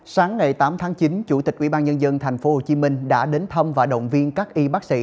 sáng ngày tám tháng chín chủ tịch ubnd tp hcm đã đến thăm và động viên các y bác sĩ